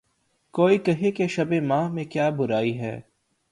کوئی کہے کہ‘ شبِ مہ میں کیا برائی ہے